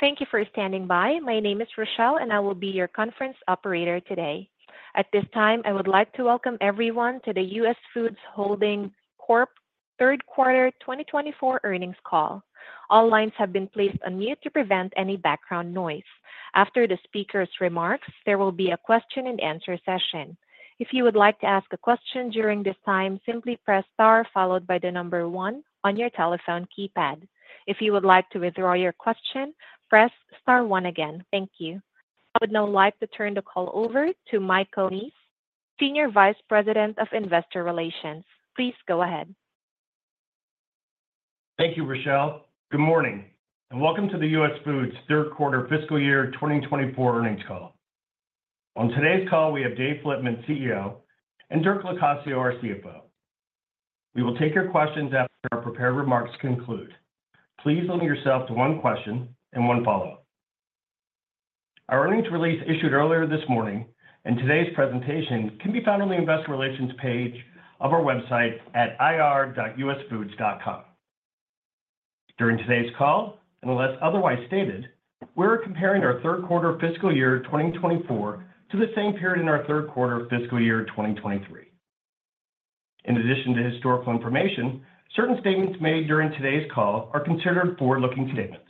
Thank you for standing by. My name is Rochelle, and I will be your conference operator today. At this time, I would like to welcome everyone to the US Foods Holding Corp Third Quarter 2024 Earnings Call. All lines have been placed on mute to prevent any background noise. After the speaker's remarks, there will be a question-and-answer session. If you would like to ask a question during this time, simply press star followed by the number one on your telephone keypad. If you would like to withdraw your question, press star one again. Thank you. I would now like to turn the call over to Mike Neese, Senior Vice President of Investor Relations. Please go ahead. Thank you, Rochelle. Good morning and welcome to the US Foods Q3 fiscal year 2024 earnings call. On today's call, we have Dave Flitman, CEO, and Dirk Locascio, our CFO. We will take your questions after our prepared remarks conclude. Please limit yourself to one question and one follow-up. Our earnings release issued earlier this morning and today's presentation can be found on the Investor Relations page of our website at ir.usfoods.com. During today's call, unless otherwise stated, we're comparing our Q3 fiscal year 2024 to the same period in our Q3 fiscal year 2023. In addition to historical information, certain statements made during today's call are considered forward-looking statements.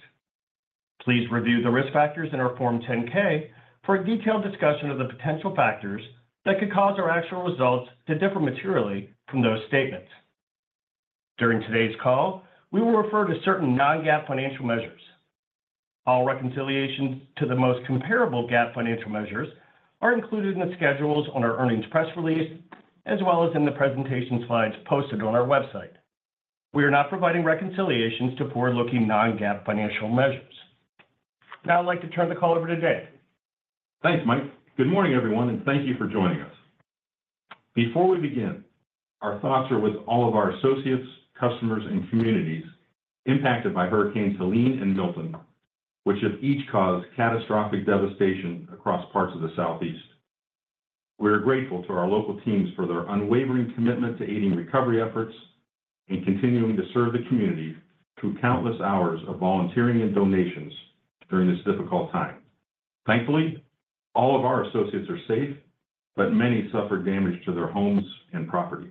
Please review the risk factors in our Form 10-K for a detailed discussion of the potential factors that could cause our actual results to differ materially from those statements. During today's call, we will refer to certain non-GAAP financial measures. All reconciliations to the most comparable GAAP financial measures are included in the schedules on our earnings press release as well as in the presentation slides posted on our website. We are not providing reconciliations to forward-looking non-GAAP financial measures. Now I'd like to turn the call over to Dave. Thanks, Mike. Good morning, everyone, and thank you for joining us. Before we begin, our thoughts are with all of our associates, customers, and communities impacted by Hurricanes Helene and Milton, which have each caused catastrophic devastation across parts of the Southeast. We are grateful to our local teams for their unwavering commitment to aiding recovery efforts and continuing to serve the community through countless hours of volunteering and donations during this difficult time. Thankfully, all of our associates are safe, but many suffered damage to their homes and property.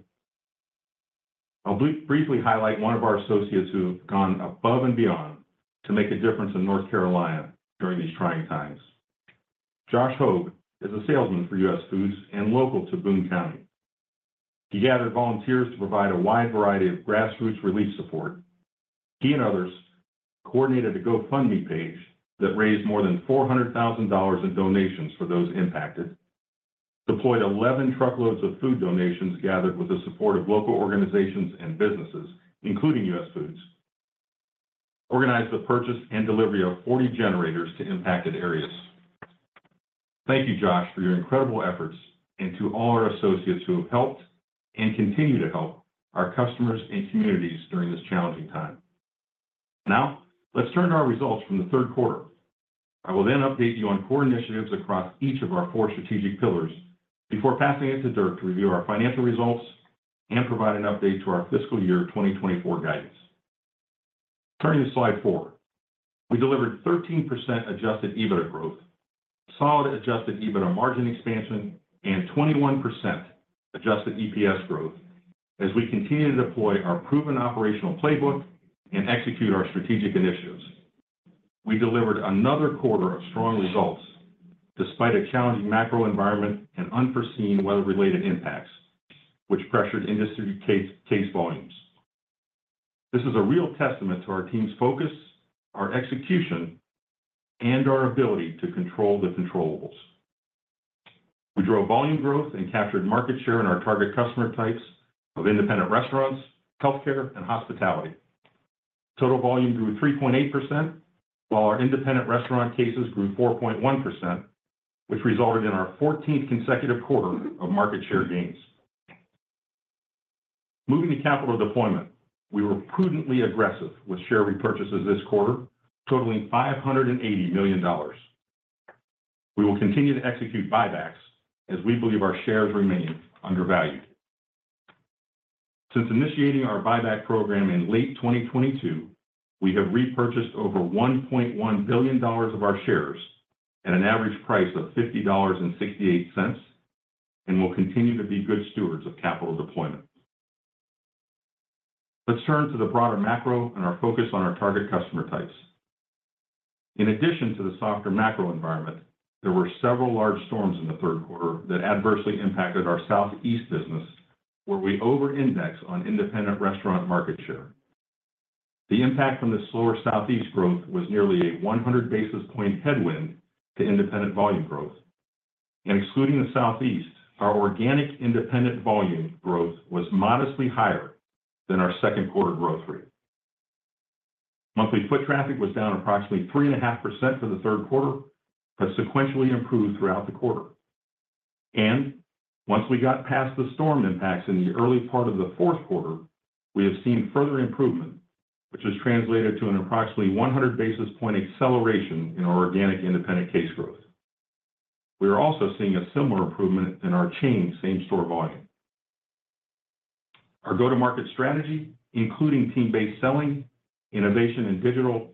I'll briefly highlight one of our associates who have gone above and beyond to make a difference in North Carolina during these trying times. Josh Hoge is a salesman for US Foods and local to Boone County. He gathered volunteers to provide a wide variety of grassroots relief support. He and others coordinated a GoFundMe page that raised more than $400,000 in donations for those impacted, deployed 11 truckloads of food donations gathered with the support of local organizations and businesses, including US Foods, and organized the purchase and delivery of 40 generators to impacted areas. Thank you, Josh, for your incredible efforts,, and to all our associates who have helped and continue to help our customers and communities during this challenging time. Now let's turn to our results from the Q3. I will then update you on core initiatives across each of our four strategic pillars before passing it to Dirk to review our financial results and provide an update to our fiscal year 2024 guidance. Turning to slide four, we delivered 13% Adjusted EBITDA growth, solid Adjusted EBITDA margin expansion, and 21% Adjusted EPS growth as we continue to deploy our proven operational playbook and execute our strategic initiatives. We delivered another quarter of strong results despite a challenging macro environment and unforeseen weather-related impacts, which pressured industry case volumes. This is a real testament to our team's focus, our execution, and our ability to control the controllables. We drove volume growth and captured market share in our target customer types of independent restaurants, healthcare, and hospitality. Total volume grew 3.8%, while our independent restaurant cases grew 4.1%, which resulted in our 14th consecutive quarter of market share gains. Moving to capital deployment, we were prudently aggressive with share repurchases this quarter, totaling $580 million. We will continue to execute buybacks as we believe our shares remain undervalued. Since initiating our buyback program in late 2022, we have repurchased over $1.1 billion of our shares at an average price of $50.68 and will continue to be good stewards of capital deployment. Let's turn to the broader macro and our focus on our target customer types. In addition to the softer macro environment, there were several large storms in the Q3 that adversely impacted our Southeast business, where we over-indexed on independent restaurant market share. The impact from the slower Southeast growth was nearly a 100 basis points headwind to independent volume growth and excluding the Southeast, our organic independent volume growth was modestly higher than our Q2 growth rate. Monthly foot traffic was down approximately 3.5% for the Q3, but sequentially improved throughout the quarter. And once we got past the storm impacts in the early part of the Q4, we have seen further improvement, which has translated to an approximately 100 basis point acceleration in our organic independent case growth. We are also seeing a similar improvement in our chain same-store volume. Our go-to-market strategy, including team-based selling, innovation, and digital,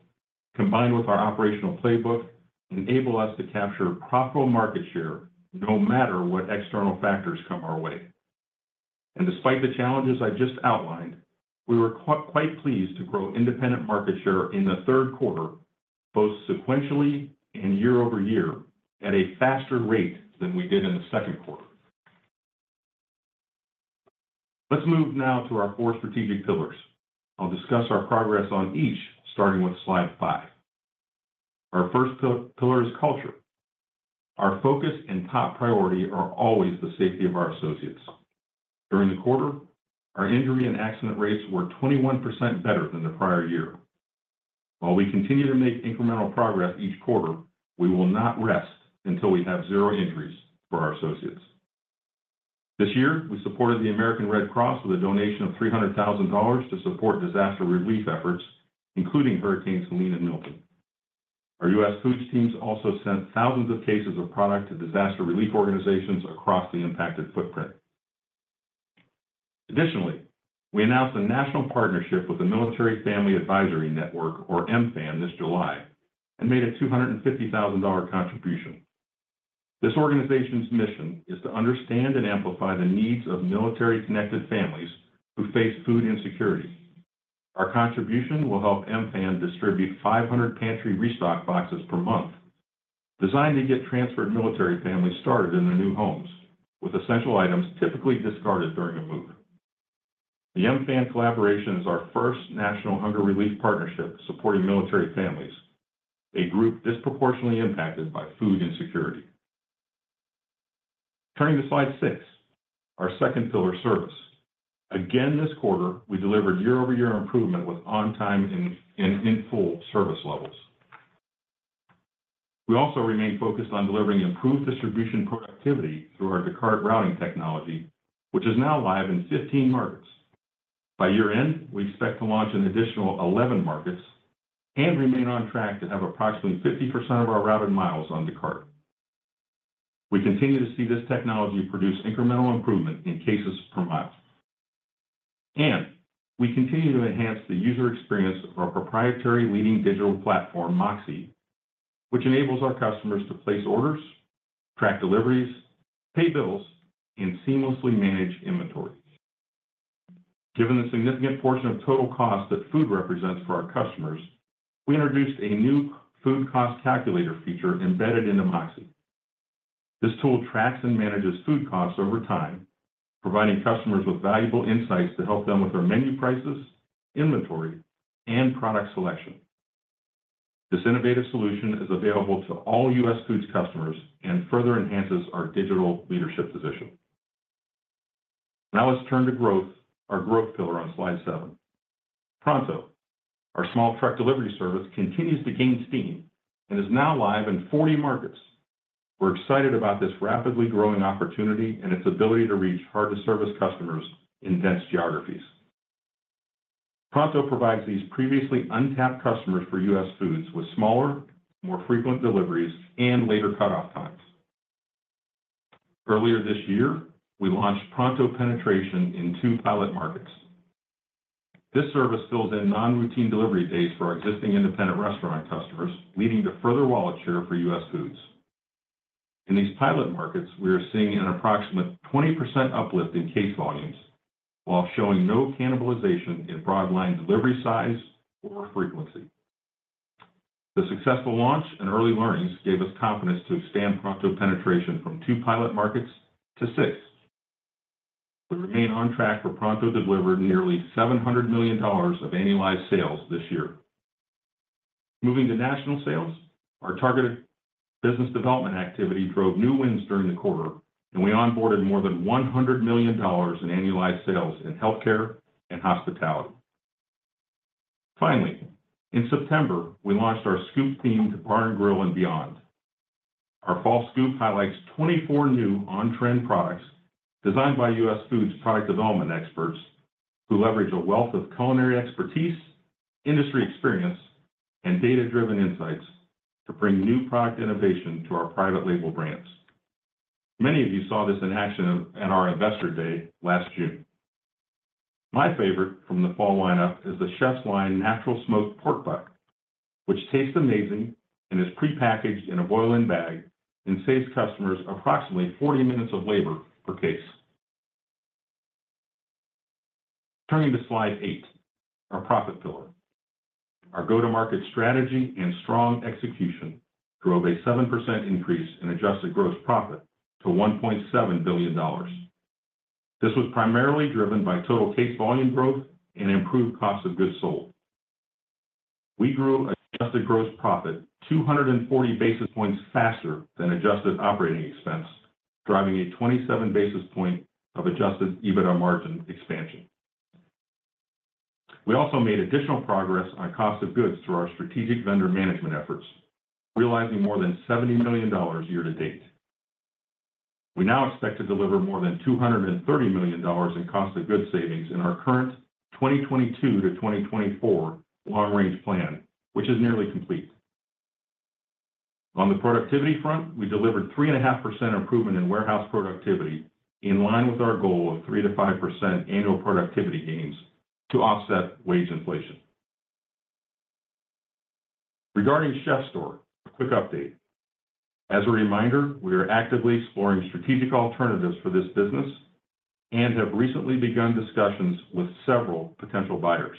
combined with our operational playbook, enables us to capture profitable market share no matter what external factors come our way. And despite the challenges I just outlined, we were quite pleased to grow independent market share in the Q3, both sequentially and year over year at a faster rate than we did in the Q2. Let's move now to our four strategic pillars. I'll discuss our progress on each, starting with slide five. Our first pillar is culture. Our focus and top priority are always the safety of our associates. During the quarter, our injury and accident rates were 21% better than the prior year. While we continue to make incremental progress each quarter, we will not rest until we have zero injuries for our associates. This year, we supported the American Red Cross with a donation of $300,000 to support disaster relief efforts, including Hurricanes Helene and Milton. Our US Foods teams also sent thousands of cases of product to disaster relief organizations across the impacted footprint. Additionally, we announced a national partnership with the Military Family Advisory Network, or MFAN, this July and made a $250,000 contribution. This organization's mission is to understand and amplify the needs of military-connected families who face food insecurity. Our contribution will help MFAN distribute 500 pantry restock boxes per month, designed to get transferred military families started in their new homes with essential items typically discarded during a move. The MFAN collaboration is our first national hunger relief partnership supporting military families, a group disproportionately impacted by food insecurity. Turning to slide six, our second pillar service. Again, this quarter, we delivered year-over-year improvement with on-time and in-full service levels. We also remain focused on delivering improved distribution productivity through our Descartes routing technology, which is now live in 15 markets. By year-end, we expect to launch an additional 11 markets and remain on track to have approximately 50% of our routed miles on Descartes. We continue to see this technology produce incremental improvement in cases per mile. And we continue to enhance the user experience of our proprietary leading digital platform, MOXē, which enables our customers to place orders, track deliveries, pay bills, and seamlessly manage inventory. Given the significant portion of total cost that food represents for our customers, we introduced a new food cost calculator feature embedded into MOXē. This tool tracks and manages food costs over time, providing customers with valuable insights to help them with their menu prices, inventory, and product selection. This innovative solution is available to all US Foods customers and further enhances our digital leadership position. Now let's turn to growth, our growth pillar on slide seven. Pronto, our small truck delivery service, continues to gain steam and is now live in 40 markets. We're excited about this rapidly growing opportunity and its ability to reach hard-to-service customers in dense geographies. Pronto provides these previously untapped customers for US Foods with smaller, more frequent deliveries and later cutoff times. Earlier this year, we launched Pronto penetration in two pilot markets. This service fills in non-routine delivery days for our existing independent restaurant customers, leading to further wallet share for US Foods. In these pilot markets, we are seeing an approximate 20% uplift in case volumes while showing no cannibalization in broadline delivery size or frequency. The successful launch and early learnings gave us confidence to expand Pronto penetration from two pilot markets to six. We remain on track for Pronto to deliver nearly $700 million of annualized sales this year. Moving to national sales, our targeted business development activity drove new wins during the quarter, and we onboarded more than $100 million in annualized sales in healthcare and hospitality. Finally, in September, we launched our Scoop theme to Bar and Grill and Beyond. Our fall Scoop highlights 24 new on-trend products designed by US Foods product development experts who leverage a wealth of culinary expertise, industry experience, and data-driven insights to bring new product innovation to our private label brands. Many of you saw this in action at our Investor Day last June. My favorite from the fall lineup is the Chef's Line Natural Smoked Pork Butt, which tastes amazing and is pre-packaged in a boil-in bag and saves customers approximately 40 minutes of labor per case. Turning to slide eight, our profit pillar. Our go-to-market strategy and strong execution drove a 7% increase in adjusted gross profit to $1.7 billion. This was primarily driven by total case volume growth and improved cost of goods sold. We grew adjusted gross profit 240 basis points faster than adjusted operating expense, driving a 27 basis point of adjusted EBITDA margin expansion. We also made additional progress on cost of goods through our strategic vendor management efforts, realizing more than $70 million year-to-date. We now expect to deliver more than $230 million in cost-of-goods savings in our current 2022 to 2024 long-range plan, which is nearly complete. On the productivity front, we delivered 3.5% improvement in warehouse productivity in line with our goal of 3% to 5% annual productivity gains to offset wage inflation. Regarding CHEF'STORE, a quick update. As a reminder, we are actively exploring strategic alternatives for this business and have recently begun discussions with several potential buyers.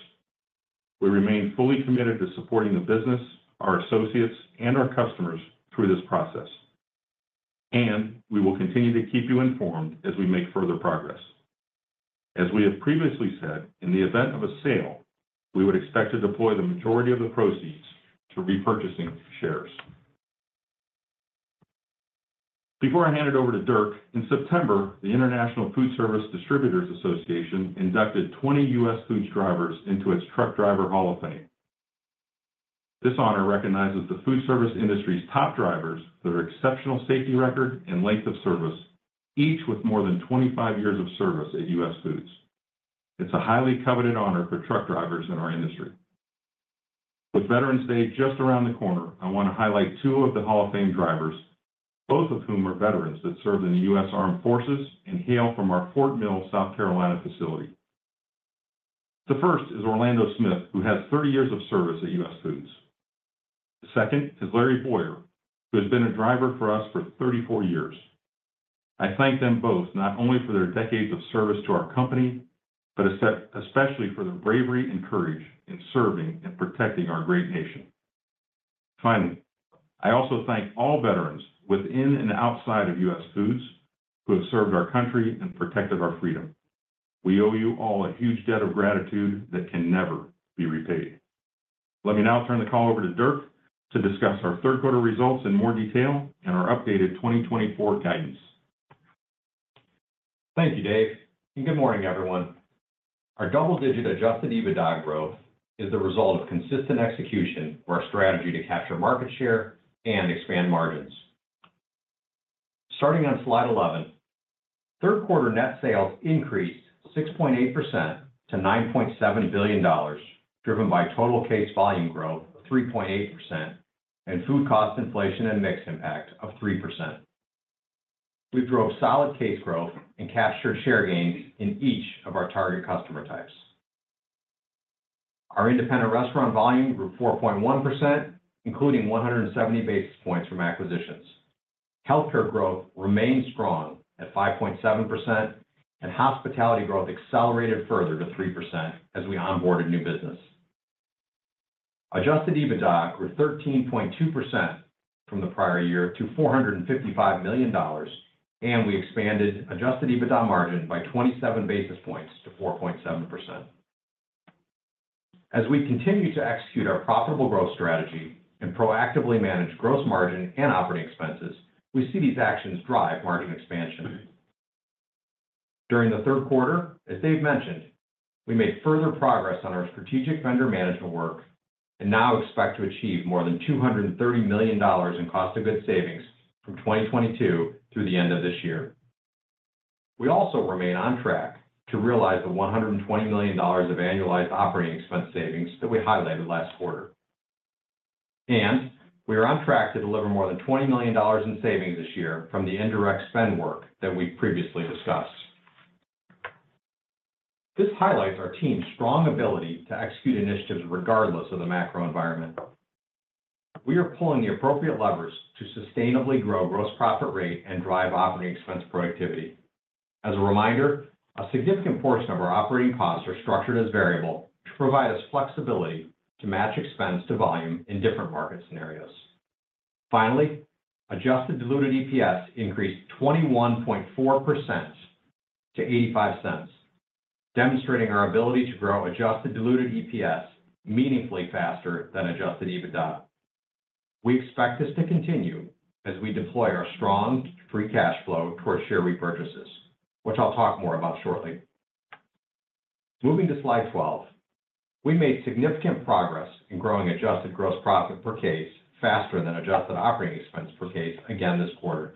We remain fully committed to supporting the business, our associates, and our customers through this process. We will continue to keep you informed as we make further progress. As we have previously said, in the event of a sale, we would expect to deploy the majority of the proceeds to repurchasing shares. Before I hand it over to Dirk, in September, the International Foodservice Distributors Association inducted 20 US Foods drivers into its Truck Driver Hall of Fame. This honor recognizes the food service industry's top drivers for their exceptional safety record and length of service, each with more than 25 years of service at US Foods. It's a highly coveted honor for truck drivers in our industry. With Veterans Day just around the corner, I want to highlight two of the Hall of Fame drivers, both of whom are veterans that served in the U.S. Armed Forces and hail from our Fort Mill, South Carolina facility. The first is Orlando Smith, who has 30 years of service at US Foods. The second is Larry Boyer, who has been a driver for us for 34 years. I thank them both not only for their decades of service to our company, but especially for their bravery and courage in serving and protecting our great nation. Finally, I also thank all veterans within and outside of US Foods who have served our country and protected our freedom. We owe you all a huge debt of gratitude that can never be repaid. Let me now turn the call over to Dirk to discuss our Q3 results in more detail and our updated 2024 guidance. Thank you, Dave, and good morning, everyone. Our double-digit adjusted EBITDA growth is the result of consistent execution of our strategy to capture market share and expand margins. Starting on slide 11, Q3 net sales increased 6.8% to $9.7 billion, driven by total case volume growth of 3.8% and food cost inflation and mixed impact of 3%. We drove solid case growth and captured share gains in each of our target customer types. Our independent restaurant volume grew 4.1%, including 170 basis points from acquisitions. Healthcare growth remained strong at 5.7%, and hospitality growth accelerated further to 3% as we onboarded new business. Adjusted EBITDA grew 13.2% from the prior year to $455 million, and we expanded adjusted EBITDA margin by 27 basis points to 4.7%. As we continue to execute our profitable growth strategy and proactively manage gross margin and operating expenses, we see these actions drive margin expansion. During the Q3, as Dave mentioned, we made further progress on our strategic vendor management work and now expect to achieve more than $230 million in cost of goods savings from 2022 through the end of this year. We also remain on track to realize the $120 million of annualized operating expense savings that we highlighted last quarter, and we are on track to deliver more than $20 million in savings this year from the indirect spend work that we previously discussed. This highlights our team's strong ability to execute initiatives regardless of the macro environment. We are pulling the appropriate levers to sustainably grow gross profit rate and drive operating expense productivity. As a reminder, a significant portion of our operating costs are structured as variable to provide us flexibility to match expense to volume in different market scenarios. Finally, adjusted diluted EPS increased 21.4% to $0.85, demonstrating our ability to grow adjusted diluted EPS meaningfully faster than adjusted EBITDA. We expect this to continue as we deploy our strong free cash flow towards share repurchases, which I'll talk more about shortly. Moving to slide 12, we made significant progress in growing adjusted gross profit per case faster than adjusted operating expense per case again this quarter.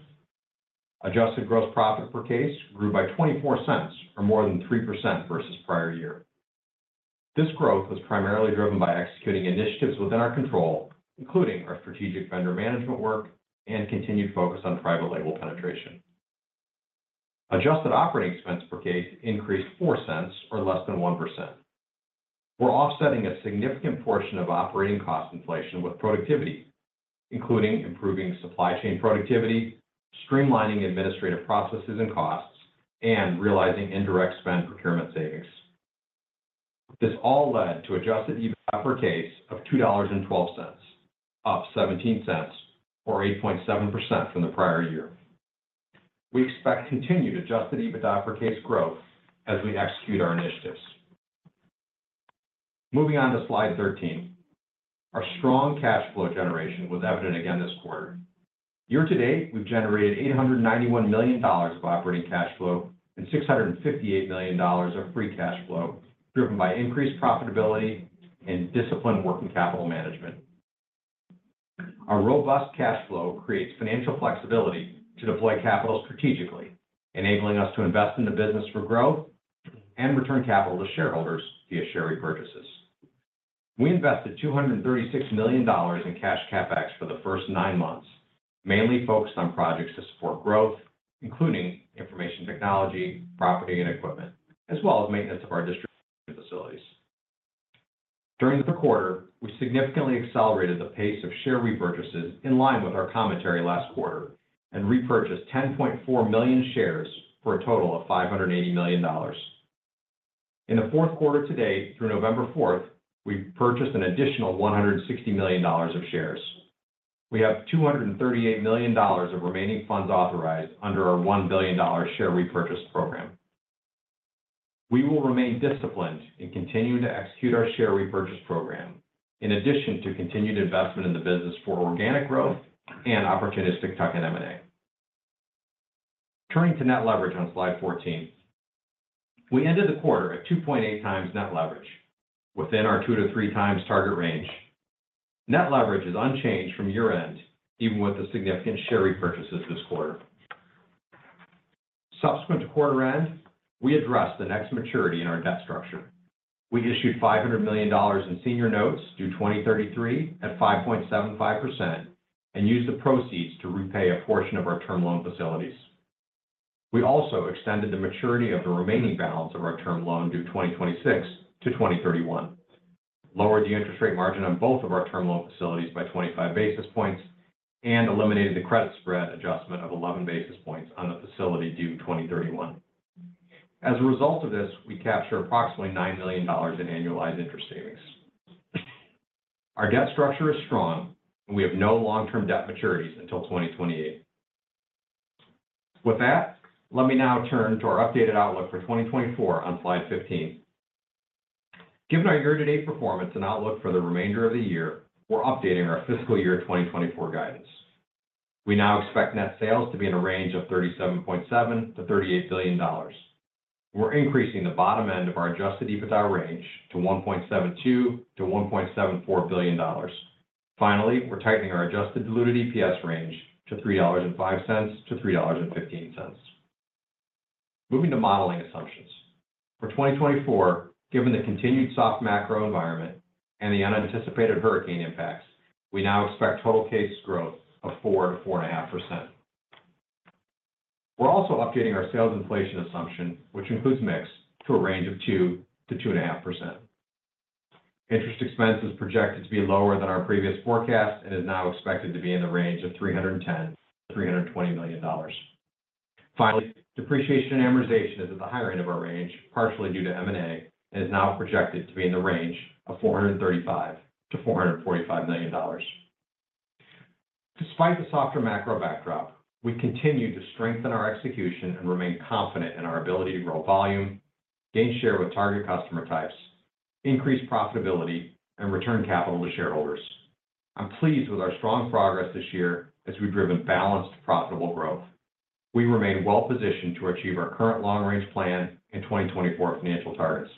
Adjusted gross profit per case grew by $0.24 or more than 3% versus prior year. This growth was primarily driven by executing initiatives within our control, including our strategic vendor management work and continued focus on private label penetration. Adjusted operating expense per case increased $0.04 or less than 1%. We're offsetting a significant portion of operating cost inflation with productivity, including improving supply chain productivity, streamlining administrative processes and costs, and realizing indirect spend procurement savings. This all led to adjusted EBITDA per case of $2.12, up $0.17 or 8.7% from the prior year. We expect continued adjusted EBITDA per case growth as we execute our initiatives. Moving on to slide 13, our strong cash flow generation was evident again this quarter. Year-to-date, we've generated $891 million of operating cash flow and $658 million of free cash flow driven by increased profitability and disciplined working capital management. Our robust cash flow creates financial flexibility to deploy capital strategically, enabling us to invest in the business for growth and return capital to shareholders via share repurchases. We invested $236 million in cash CapEx for the first nine months, mainly focused on projects to support growth, including information technology, property, and equipment, as well as maintenance of our distribution facilities. During the quarter, we significantly accelerated the pace of share repurchases in line with our commentary last quarter and repurchased 10.4 million shares for a total of $580 million. In the Q4 to date through November 4th, we purchased an additional $160 million of shares. We have $238 million of remaining funds authorized under our $1 billion share repurchase program. We will remain disciplined in continuing to execute our share repurchase program, in addition to continued investment in the business for organic growth and opportunistic tuck-in M&A. Turning to net leverage on slide 14, we ended the quarter at 2.8x net leverage, within our two to 3x target range. Net leverage is unchanged from year-end, even with the significant share repurchases this quarter. Subsequent to quarter end, we addressed the next maturity in our debt structure. We issued $500 million in senior notes due 2033 at 5.75% and used the proceeds to repay a portion of our term loan facilities. We also extended the maturity of the remaining balance of our term loan due 2026 to 2031, lowered the interest rate margin on both of our term loan facilities by 25 basis points, and eliminated the credit spread adjustment of 11 basis points on the facility due 2031. As a result of this, we capture approximately $9 million in annualized interest savings. Our debt structure is strong, and we have no long-term debt maturities until 2028. With that, let me now turn to our updated outlook for 2024 on slide 15. Given our year-to-date performance and outlook for the remainder of the year, we're updating our fiscal year 2024 guidance. We now expect net sales to be in a range of $37.7 to $38 billion. We're increasing the bottom end of our adjusted EBITDA range to $1.72 to $1.74 billion. Finally, we're tightening our adjusted diluted EPS range to $3.05 to $3.15. Moving to modeling assumptions. For 2024, given the continued soft macro environment and the unanticipated hurricane impacts, we now expect total case growth of 4 to 4.5%. We're also updating our sales inflation assumption, which includes mix, to a range of 2 to 2.5%. Interest expense is projected to be lower than our previous forecast and is now expected to be in the range of $310 to $320 million. Finally, depreciation and amortization is at the higher end of our range, partially due to M&A, and is now projected to be in the range of $435 to $445 million. Despite the softer macro backdrop, we continue to strengthen our execution and remain confident in our ability to grow volume, gain share with target customer types, increase profitability, and return capital to shareholders. I'm pleased with our strong progress this year as we've driven balanced, profitable growth. We remain well-positioned to achieve our current long-range plan and 2024 financial targets,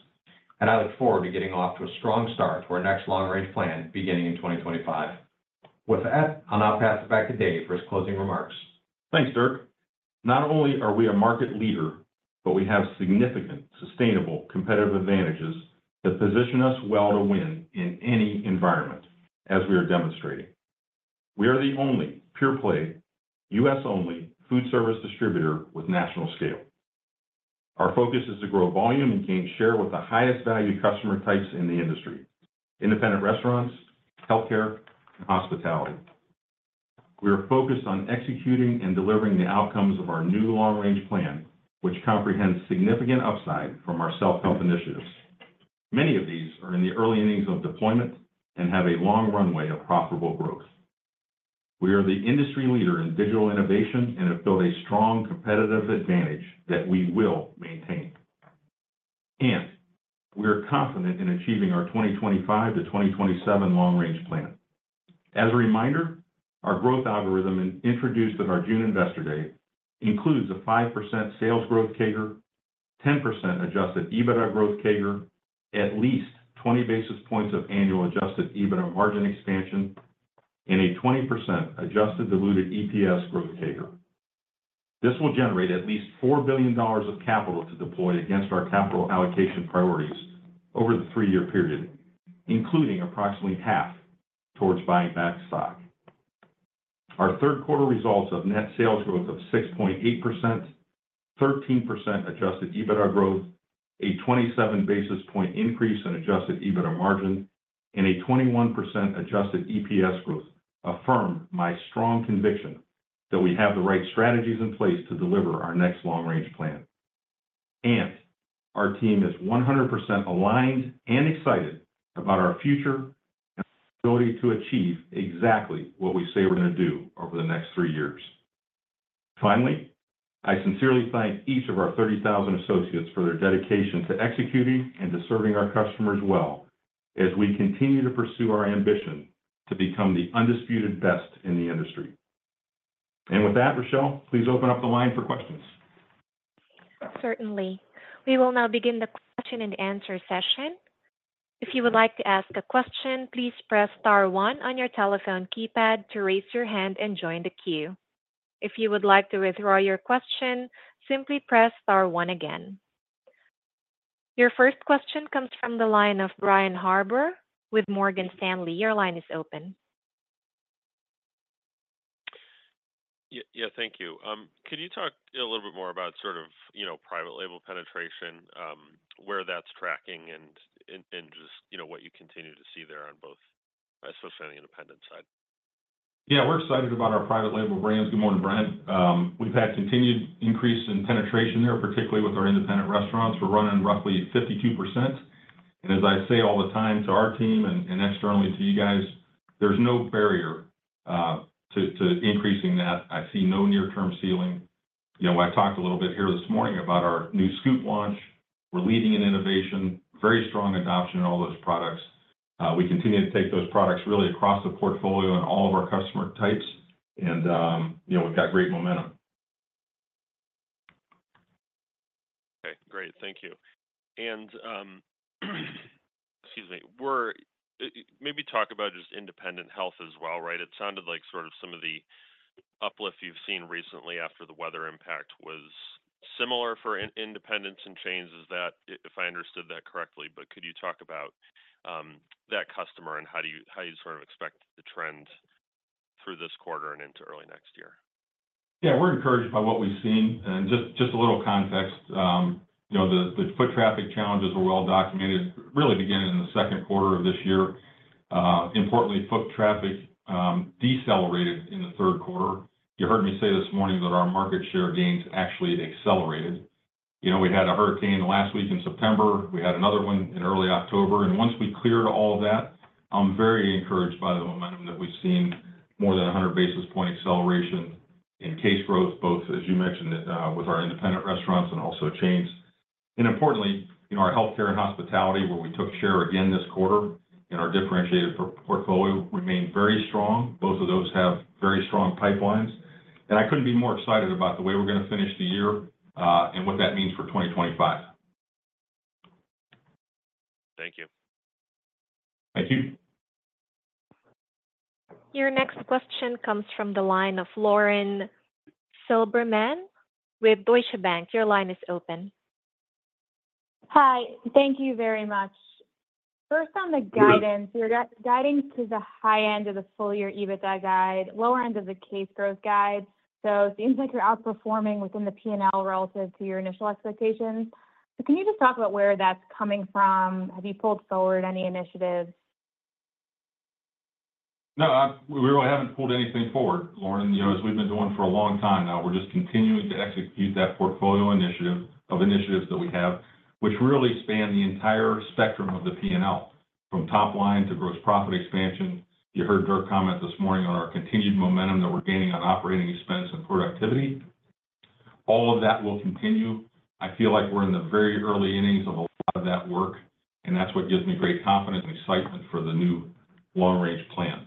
and I look forward to getting off to a strong start to our next long-range plan beginning in 2025. With that, I'll now pass it back to Dave for his closing remarks. Thanks, Dirk. Not only are we a market leader, but we have significant sustainable competitive advantages that position us well to win in any environment, as we are demonstrating. We are the only pure-play US only food service distributor with national scale. Our focus is to grow volume and gain share with the highest value customer types in the industry: independent restaurants, healthcare, and hospitality. We are focused on executing and delivering the outcomes of our new long-range plan, which comprehends significant upside from our self-help initiatives. Many of these are in the early innings of deployment and have a long runway of profitable growth. We are the industry leader in digital innovation and have built a strong competitive advantage that we will maintain. And we are confident in achieving our 2025 to 2027 long-range plan. As a reminder, our growth algorithm introduced at our June Investor Day includes a 5% sales growth CAGR, 10% adjusted EBITDA growth CAGR, at least 20 basis points of annual adjusted EBITDA margin expansion, and a 20% adjusted diluted EPS growth CAGR. This will generate at least $4 billion of capital to deploy against our capital allocation priorities over the three-year period, including approximately $2 billion towards buying back stock. Our Q3 results have net sales growth of 6.8%, 13% Adjusted EBITDA growth, a 27 basis point increase in Adjusted EBITDA margin, and a 21% Adjusted EPS growth, affirmed my strong conviction that we have the right strategies in place to deliver our next long-range plan. And our team is 100% aligned and excited about our future and our ability to achieve exactly what we say we're going to do over the next three years. Finally, I sincerely thank each of our 30,000 associates for their dedication to executing and to serving our customers well as we continue to pursue our ambition to become the undisputed best in the industry. And with that, Rochelle, please open up the line for questions. Certainly. We will now begin the question and answer session. If you would like to ask a question, please press star one on your telephone keypad to raise your hand and join the queue. If you would like to withdraw your question, simply press star one again. Your first question comes from the line of Brian Harbour with Morgan Stanley. Your line is open. Yeah, thank you. Could you talk a little bit more about sort of private label penetration, where that's tracking, and just what you continue to see there on both, especially on the independent side? Yeah, we're excited about our private label brands. Good morning, Brian. We've had continued increase in penetration there, particularly with our independent restaurants. We're running roughly 52%. And as I say all the time to our team and externally to you guys, there's no barrier to increasing that. I see no near-term ceiling. I talked a little bit here this morning about our new Scoop launch. We're leading in innovation, very strong adoption in all those products. We continue to take those products really across the portfolio and all of our customer types. And we've got great momentum. Okay, great. Thank you. And excuse me, maybe talk about just independent sales as well, right? It sounded like sort of some of the uplift you've seen recently after the weather impact was similar for independents and chains. Is that, if I understood that correctly, but could you talk about that customer and how you sort of expect the trend through this quarter and into early next year? Yeah, we're encouraged by what we've seen. And just a little context, the foot traffic challenges were well documented, really beginning in the Q2 of this year. Importantly, foot traffic decelerated in the Q3. You heard me say this morning that our market share gains actually accelerated. We had a hurricane last week in September. We had another one in early October. And once we cleared all of that, I'm very encouraged by the momentum that we've seen, more than 100 basis points acceleration in case growth, both, as you mentioned, with our independent restaurants and also chains. And importantly, our healthcare and hospitality, where we took share again this quarter in our differentiated portfolio, remained very strong. Both of those have very strong pipelines. And I couldn't be more excited about the way we're going to finish the year and what that means for 2025. Thank you. Thank you. Your next question comes from the line of Lauren Silberman with Deutsche Bank. Your line is open.. Your line is open. Hi. Thank you very much. First, on the guidance, you're guiding to the high end of the full-year EBITDA guide, lower end of the case growth guide. So it seems like you're outperforming within the P&L relative to your initial expectations. But can you just talk about where that's coming from? Have you pulled forward any initiatives? No, we really haven't pulled anything forward, Lauren. As we've been doing for a long time now, we're just continuing to execute that portfolio initiative of initiatives that we have, which really span the entire spectrum of the P&L, from top line to gross profit expansion. You heard Dirk comment this morning on our continued momentum that we're gaining on operating expense and productivity. All of that will continue. I feel like we're in the very early innings of a lot of that work, and that's what gives me great confidence and excitement for the new long-range plan.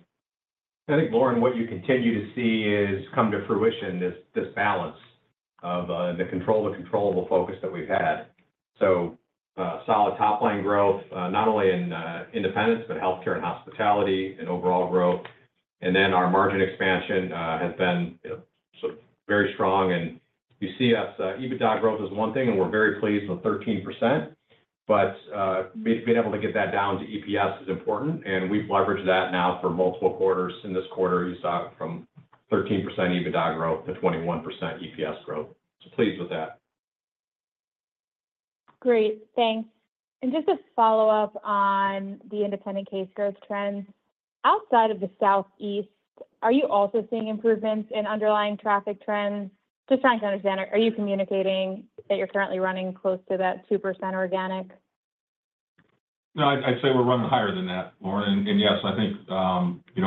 I think, Lauren, what you continue to see has come to fruition, this balance of the controllable focus that we've had. So solid top-line growth, not only in independents, but healthcare and hospitality and overall growth. And then our margin expansion has been sort of very strong. And you see us, EBITDA growth is one thing, and we're very pleased with 13%. But being able to get that down to EPS is important, and we've leveraged that now for multiple quarters. In this quarter, you saw it from 13% EBITDA growth to 21% EPS growth. So pleased with that. Great. Thanks. And just to follow up on the independent case growth trends, outside of the Southeast, are you also seeing improvements in underlying traffic trends? Just trying to understand, are you communicating that you're currently running close to that 2% organic? No, I'd say we're running higher than that, Lauren. And yes, I think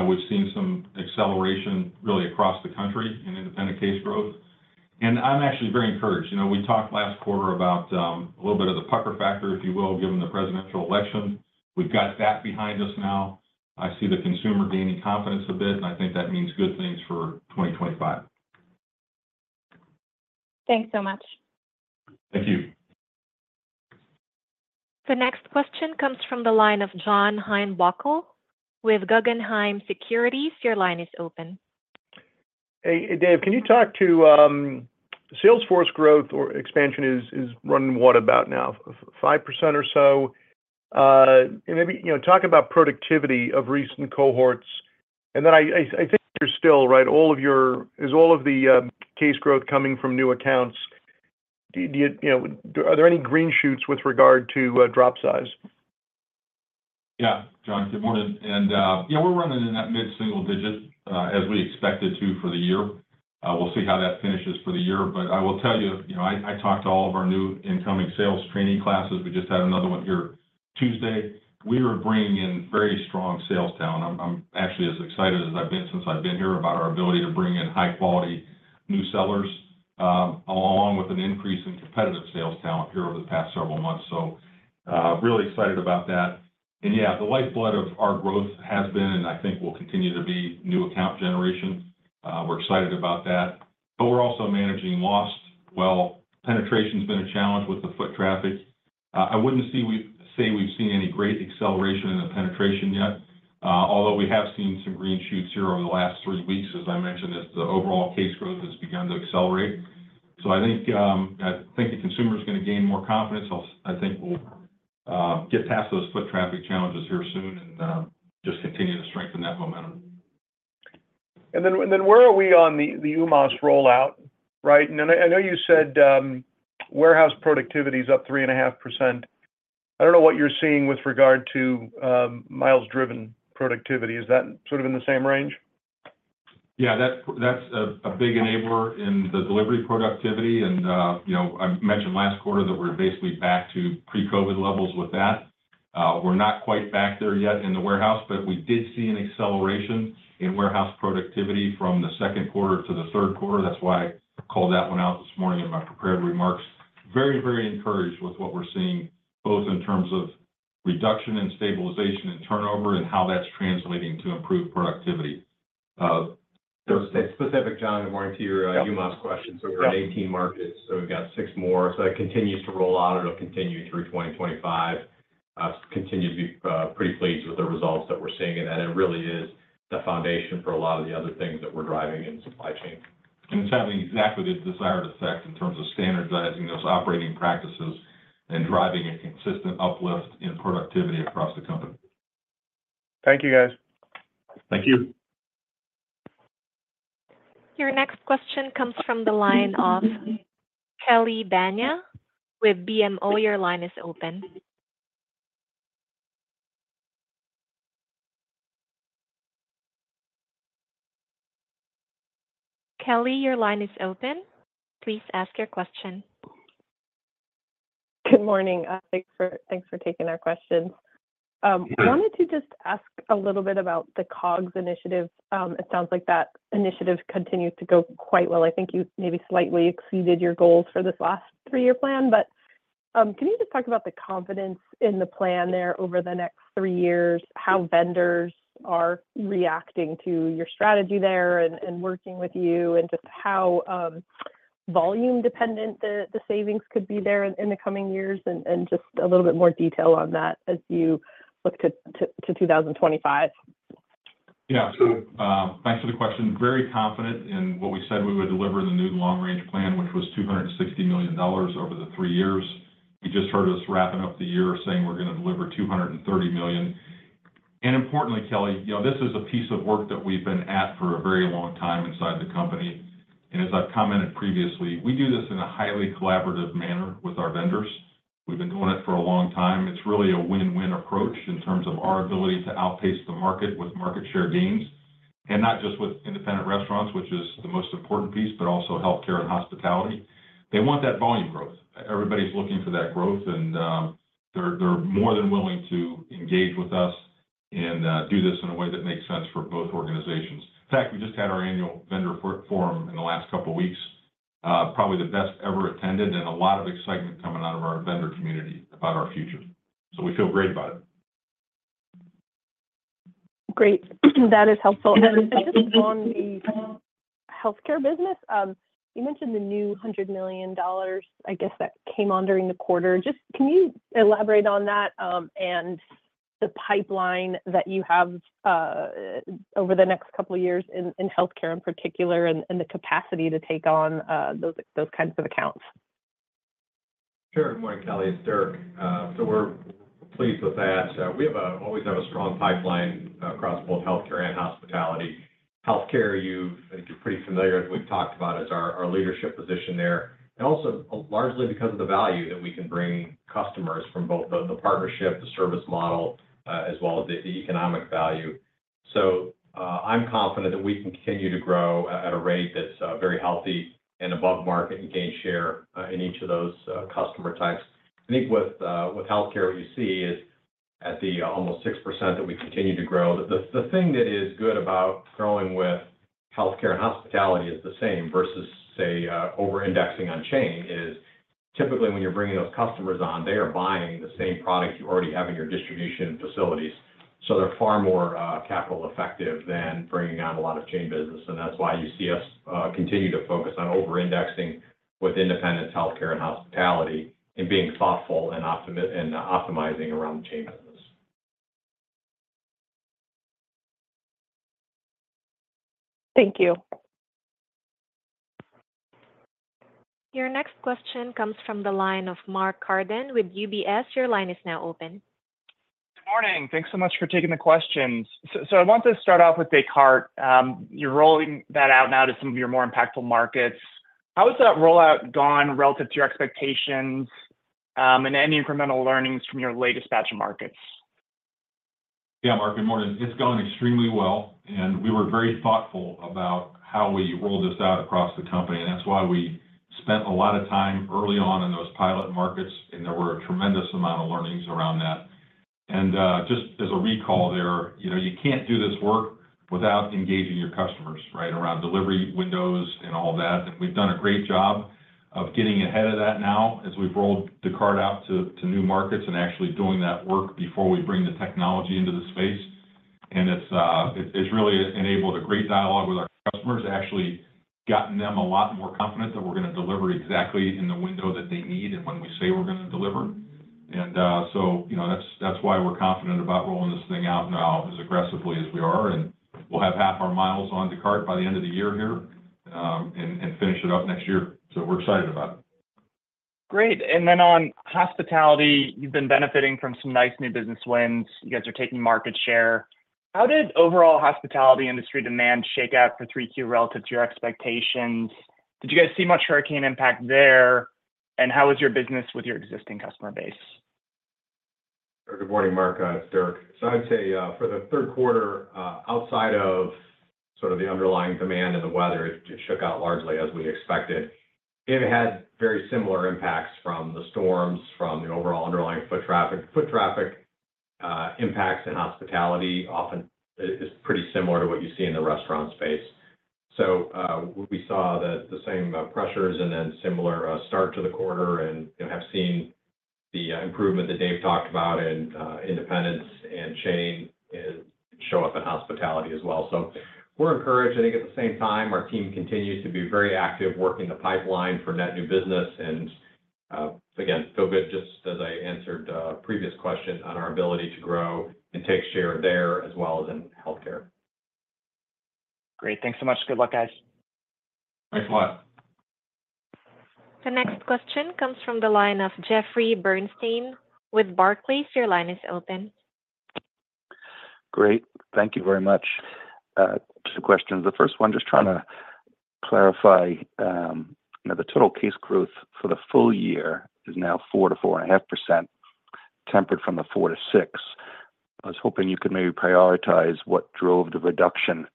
we've seen some acceleration really across the country in independent case growth. And I'm actually very encouraged. We talked last quarter about a little bit of the pucker factor, if you will, given the presidential election. We've got that behind us now. I see the consumer gaining confidence a bit, and I think that means good things for 2025. Thanks so much. Thank you. The next question comes from the line of John Heinbockel with Guggenheim Securities. Your line is open. Hey, Dave, can you talk to salesforce growth or expansion is running what about now? 5% or so? And maybe talk about productivity of recent cohorts. And then I think you're still, right? Is all of the case growth coming from new accounts? Are there any green shoots with regard to drop size? Yeah, John, good morning. We're running in that mid-single-digit as we expected to for the year. We'll see how that finishes for the year. I will tell you, I talked to all of our new incoming sales training classes. We just had another one here Tuesday. We are bringing in very strong sales talent. I'm actually as excited as I've been since I've been here about our ability to bring in high-quality new sellers, along with an increase in competitive sales talent here over the past several months. Really excited about that. Yeah, the lifeblood of our growth has been, and I think will continue to be, new account generation. We're excited about that. We're also managing lost. Penetration has been a challenge with the foot traffic. I wouldn't say we've seen any great acceleration in the penetration yet, although we have seen some green shoots here over the last three weeks, as I mentioned, as the overall case growth has begun to accelerate, so I think the consumer is going to gain more confidence. I think we'll get past those foot traffic challenges here soon and just continue to strengthen that momentum, And then where are we on the UMass rollout, right, and I know you said warehouse productivity is up 3.5%. I don't know what you're seeing with regard to miles-driven productivity. Is that sort of in the same range? Yeah, that's a big enabler in the delivery productivity, and I mentioned last quarter that we're basically back to pre-COVID levels with that. We're not quite back there yet in the warehouse, but we did see an acceleration in warehouse productivity from the Q2 to the Q3. That's why I called that one out this morning in my prepared remarks. Very, very encouraged with what we're seeing, both in terms of reduction and stabilization and turnover and how that's translating to improved productivity. Specifically, John, I wanted to hear your questions. So we're in 18 markets, so we've got six more. So that continues to roll out, and it'll continue through 2025. Continue to be pretty pleased with the results that we're seeing in that. It really is the foundation for a lot of the other things that we're driving in supply chain. And it's having exactly the desired effect in terms of standardizing those operating practices and driving a consistent uplift in productivity across the company. Thank you, guys. Thank you. Your next question comes from the line of Kelly Bania with BMO. Your line is open. Kelly, your line is open. Please ask your question. Good morning. Thanks for taking our questions. I wanted to just ask a little bit about the COGS initiative. It sounds like that initiative continues to go quite well. I think you maybe slightly exceeded your goals for this last three-year plan. But can you just talk about the confidence in the plan there over the next three years, how vendors are reacting to your strategy there and working with you, and just how volume-dependent the savings could be there in the coming years, and just a little bit more detail on that as you look to 2025? Yeah. So thanks for the question. Very confident in what we said we would deliver in the new long-range plan, which was $260 million over the three years. You just heard us wrapping up the year saying we're going to deliver $230 million. And importantly, Kelly, this is a piece of work that we've been at for a very long time inside the company. And as I've commented previously, we do this in a highly collaborative manner with our vendors. We've been doing it for a long time. It's really a win-win approach in terms of our ability to outpace the market with market share gains, and not just with independent restaurants, which is the most important piece, but also healthcare and hospitality. They want that volume growth. Everybody's looking for that growth, and they're more than willing to engage with us and do this in a way that makes sense for both organizations. In fact, we just had our annual vendor forum in the last couple of weeks, probably the best ever attended, and a lot of excitement coming out of our vendor community about our future. So we feel great about it. Great. That is helpful. And just on the healthcare business, you mentioned the new $100 million, I guess, that came on during the quarter. Just can you elaborate on that and the pipeline that you have over the next couple of years in healthcare in particular, and the capacity to take on those kinds of accounts? Sure. Good morning, Kelly. It's Dirk. So we're pleased with that. We always have a strong pipeline across both healthcare and hospitality. Healthcare, I think you're pretty familiar as we've talked about, is our leadership position there. And also largely because of the value that we can bring customers from both the partnership, the service model, as well as the economic value. So I'm confident that we can continue to grow at a rate that's very healthy and above market and gain share in each of those customer types. I think with healthcare, what you see is at the almost 6% that we continue to grow. The thing that is good about growing with healthcare and hospitality is the same versus, say, over-indexing on chain is typically when you're bringing those customers on, they are buying the same product you already have in your distribution facilities. So they're far more capital-effective than bringing on a lot of chain business. And that's why you see us continue to focus on over-indexing with independent healthcare and hospitality and being thoughtful and optimizing around the chain business. Thank you. Your next question comes from the line of Mark Carden with UBS. Your line is now open. Good morning. Thanks so much for taking the questions. So I want to start off with Descartes. You're rolling that out now to some of your more impactful markets. How has that rollout gone relative to your expectations and any incremental learnings from your latest batch of markets? Yeah, Mark, good morning. It's gone extremely well. And we were very thoughtful about how we rolled this out across the company. And that's why we spent a lot of time early on in those pilot markets, and there were a tremendous amount of learnings around that. And just as a recall there, you can't do this work without engaging your customers, right, around delivery windows and all that. And we've done a great job of getting ahead of that now as we've rolled Descartes out to new markets and actually doing that work before we bring the technology into the space. And it's really enabled a great dialogue with our customers, actually gotten them a lot more confident that we're going to deliver exactly in the window that they need and when we say we're going to deliver. And so that's why we're confident about rolling this thing out now as aggressively as we are. And we'll have half our miles on Descartes by the end of the year here and finish it up next year. So we're excited about it. Great. And then on hospitality, you've been benefiting from some nice new business wins. You guys are taking market share. How did overall hospitality industry demand shake out for 3Q relative to your expectations? Did you guys see much hurricane impact there? And how is your business with your existing customer base? Good morning, Mark. It's Dirk. So I'd say for the Q3, outside of sort of the underlying demand and the weather, it shook out largely as we expected. It had very similar impacts from the storms, from the overall underlying foot traffic. Foot traffic impacts and hospitality often is pretty similar to what you see in the restaurant space. So we saw the same pressures and then similar start to the quarter and have seen the improvement that Dave talked about in independents and chains show up in hospitality as well. So we're encouraged. I think at the same time, our team continues to be very active working the pipeline for net new business. And again, feel good just as I answered a previous question on our ability to grow and take share there as well as in healthcare. Great. Thanks so much. Good luck, guys. Thanks a lot. The next question comes from the line of Jeffrey Bernstein with Barclays. Your line is open. Great. Thank you very much. Two questions. The first one, just trying to clarify, the total case growth for the full year is now 4% to 4.5%, tempered from the 4% to 6%. I was hoping you could maybe prioritize what drove the reduction.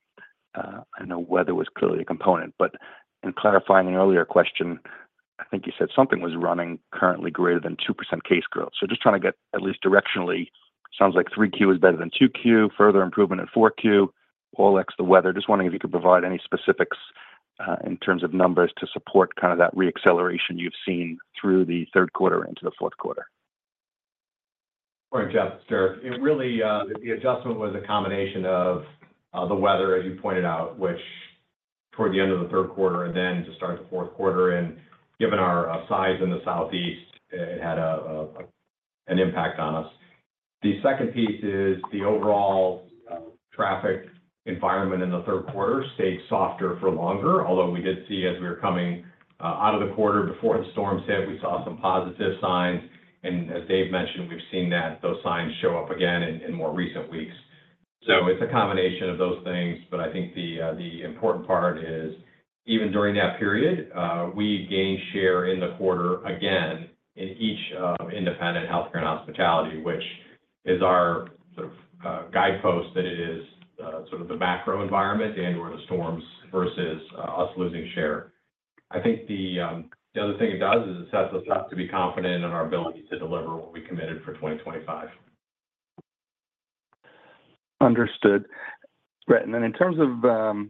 I know weather was clearly a component. But in clarifying an earlier question, I think you said something was running currently greater than 2% case growth. So just trying to get at least directionally, it sounds like 3Q is better than 2Q, further improvement in 4Q, all ex the weather. Just wondering if you could provide any specifics in terms of numbers to support kind of that re-acceleration you've seen through the Q3 into the Q4? Hi Jeff, it's Dirk. The adjustment was a combination of the weather, as you pointed out, which, toward the end of the Q3 and then to start the Q4. And given our size in the Southeast, it had an impact on us. The second piece is the overall traffic environment in the Q3 stayed softer for longer, although we did see, as we were coming out of the quarter before the storms hit, we saw some positive signs. And as Dave mentioned, we've seen those signs show up again in more recent weeks. So it's a combination of those things. But I think the important part is even during that period, we gained share in the quarter again in each independent healthcare and hospitality, which is our sort of guidepost that it is sort of the macro environment and/or the storms versus us losing share. I think the other thing it does is it sets us up to be confident in our ability to deliver what we committed for 2025. Understood. Right. And then in terms of the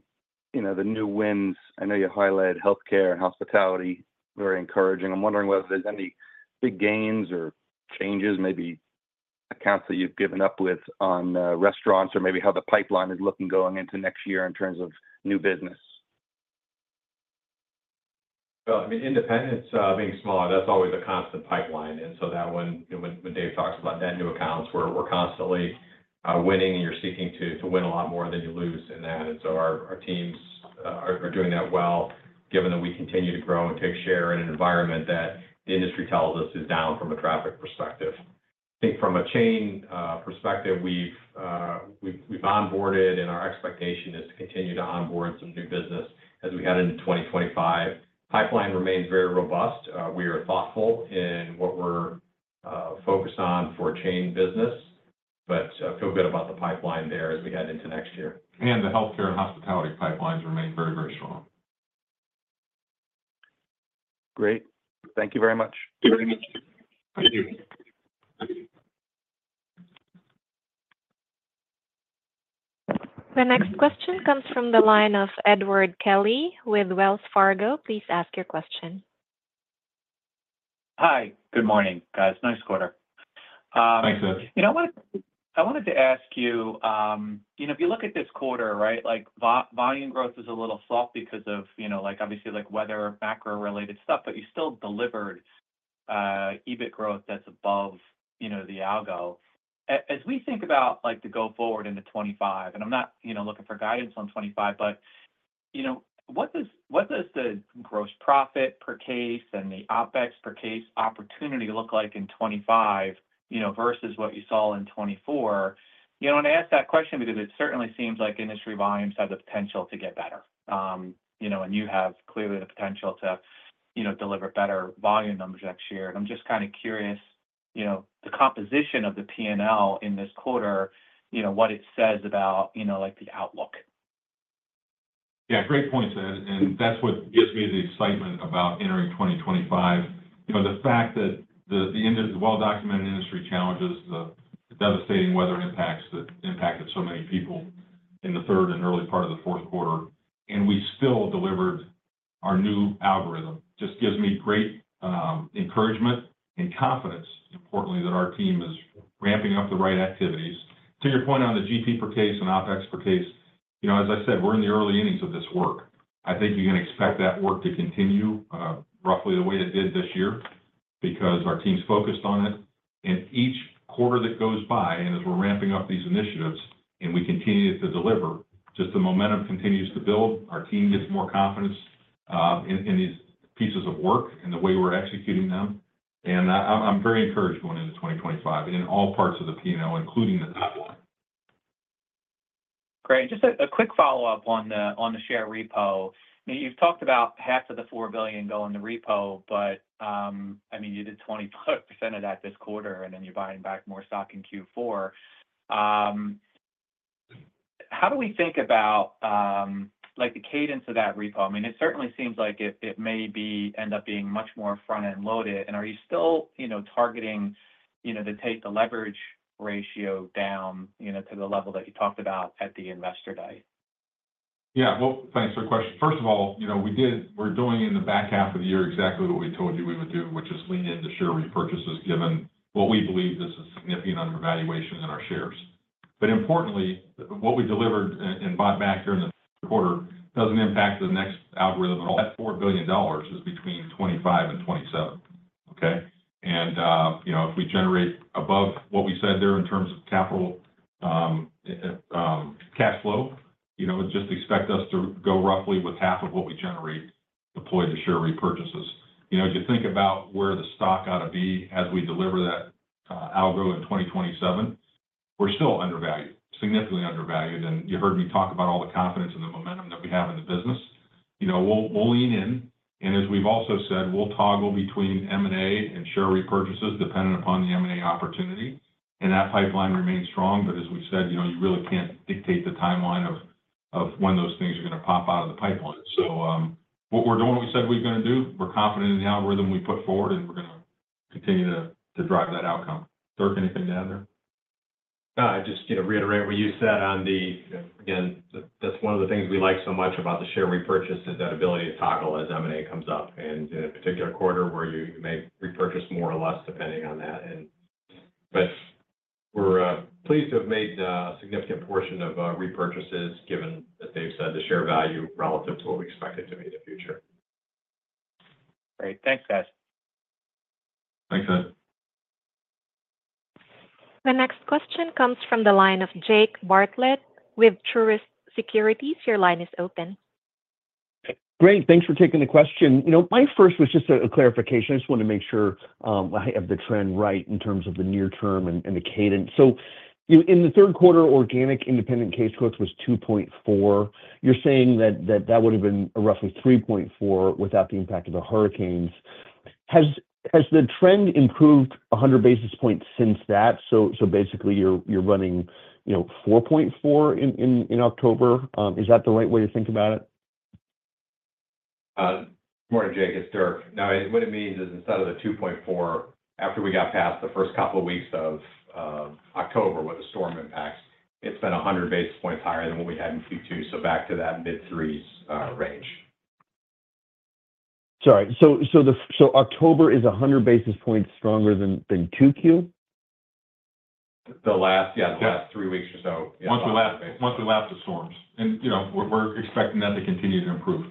new wins, I know you highlighted healthcare and hospitality, very encouraging. I'm wondering whether there's any big gains or changes, maybe accounts that you've given up, won on restaurants or maybe how the pipeline is looking going into next year in terms of new business. Well, I mean, independents being small, that's always a constant pipeline. And so that one, when Dave talks about net new accounts, we're constantly winning, and you're seeking to win a lot more than you lose in that. And so our teams are doing that well, given that we continue to grow and take share in an environment that the industry tells us is down from a traffic perspective. I think from a chain perspective, we've onboarded, and our expectation is to continue to onboard some new business as we head into 2025. Pipeline remains very robust. We are thoughtful in what we're focused on for chain business, but feel good about the pipeline there as we head into next year. And the healthcare and hospitality pipelines remain very, very strong. Great. Thank you very much. Thank you. The next question comes from the line of Edward Kelly with Wells Fargo. Please ask your question. Hi. Good morning. Guys, nice quarter. Thanks, Ed. I wanted to ask you, if you look at this quarter, right, volume growth is a little soft because of obviously weather, macro-related stuff, but you still delivered EBIT growth that's above the algo. As we think about the go forward into 2025, and I'm not looking for guidance on 2025, but what does the gross profit per case and the OpEx per case opportunity look like in 2025 versus what you saw in 2024? And I ask that question because it certainly seems like industry volumes have the potential to get better, and you have clearly the potential to deliver better volume numbers next year. And I'm just kind of curious the composition of the P&L in this quarter, what it says about the outlook. Yeah. Great points. And that's what gives me the excitement about entering 2025. The fact that the well-documented industry challenges, the devastating weather impacts that impacted so many people in the third and early part of the Q4, and we still delivered our new algorithm just gives me great encouragement and confidence, importantly, that our team is ramping up the right activities. To your point on the GP per case and OpEx per case, as I said, we're in the early innings of this work. I think you can expect that work to continue roughly the way it did this year because our team's focused on it, and each quarter that goes by, and as we're ramping up these initiatives and we continue to deliver, just the momentum continues to build. Our team gets more confidence in these pieces of work and the way we're executing them. I'm very encouraged going into 2025 and in all parts of the P&L, including the top line. Great. Just a quick follow-up on the share repo. You've talked about half of the $4 billion going to repo, but I mean, you did 25% of that this quarter, and then you're buying back more stock in Q4. How do we think about the cadence of that repo? I mean, it certainly seems like it may end up being much more front-end loaded. And are you still targeting to take the leverage ratio down to the level that you talked about at the Investor Day? Yeah. Well, thanks for the question. First of all, we're doing in the back half of the year exactly what we told you we would do, which is lean into share repurchases given what we believe this is significant undervaluation in our shares. But importantly, what we delivered and bought back during the quarter doesn't impact the next algorithm at all. That $4 billion is between 25 and 27, okay? And if we generate above what we said there in terms of capital cash flow, just expect us to go roughly with half of what we generate deployed to share repurchases. If you think about where the stock ought to be as we deliver that algo in 2027, we're still undervalued, significantly undervalued. And you heard me talk about all the confidence and the momentum that we have in the business. We'll lean in. And as we've also said, we'll toggle between M&A and share repurchases dependent upon the M&A opportunity. And that pipeline remains strong. But as we said, you really can't dictate the timeline of when those things are going to pop out of the pipeline. So we're doing what we said we were going to do. We're confident in the algorithm we put forward, and we're going to continue to drive that outcome. Dirk, anything to add there? I'd just reiterate what you said on the, again, that's one of the things we like so much about the share repurchase is that ability to toggle as M&A comes up. And in a particular quarter where you may repurchase more or less depending on that. But we're pleased to have made a significant portion of repurchases given that they've said the share value relative to what we expected to be in the future. Great. Thanks, guys. Thanks, Ed. The next question comes from the line of Jake Bartlett with Truist Securities. Your line is open. Great. Thanks for taking the question. My first was just a clarification. I just wanted to make sure I have the trend right in terms of the near term and the cadence. So in the Q3, organic independent case growth was 2.4. You're saying that that would have been roughly 3.4 without the impact of the hurricanes. Has the trend improved 100 basis points since that? So basically, you're running 4.4 in October. Is that the right way to think about it? Good morning, Jake. It's Dirk. Now, what it means is instead of the 2.4 after we got past the first couple of weeks of October with the storm impacts, it's been 100 basis points higher than what we had in Q2. So back to that mid-threes range. Sorry. So October is 100 basis points stronger than 2Q? Yeah, the last three weeks or so. Once we lapped the storms. And we're expecting that to continue to improve.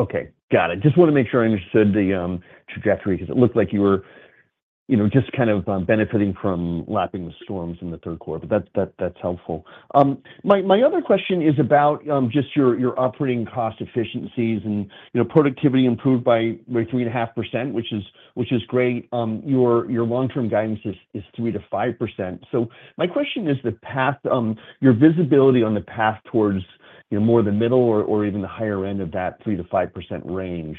Okay. Got it. Just wanted to make sure I understood the trajectory because it looked like you were just kind of benefiting from lapping the storms in the Q3. But that's helpful. My other question is about just your operating cost efficiencies and productivity improved by 3.5%, which is great. Your long-term guidance is 3% to 5%. So my question is, your visibility on the path towards more the middle or even the higher end of that 3% to 5% range,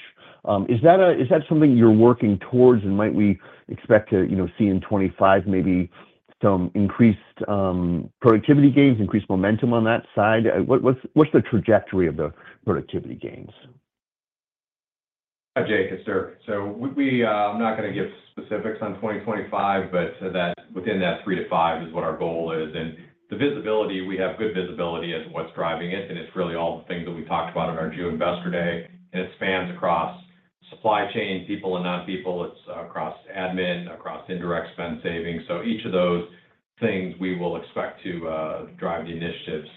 is that something you're working towards? And might we expect to see in 2025 maybe some increased productivity gains, increased momentum on that side? What's the trajectory of the productivity gains? Hi, Jake. It's Dirk. So I'm not going to give specifics on 2025, but within that 3% to 5% is what our goal is. And the visibility, we have good visibility as to what's driving it. And it's really all the things that we talked about in our June Investor Day. And it spans across supply chain, people, and non-people. It's across admin, across indirect spend savings. So each of those things, we will expect to drive the initiatives